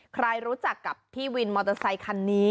ใครรู้จักกับพี่วินมอเตอร์ไซคันนี้